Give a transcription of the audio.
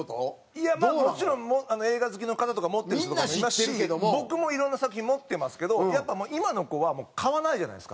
いやもちろん映画好きの方とか持ってる人とかもいますし僕もいろんな作品持ってますけどやっぱ今の子は買わないじゃないですか。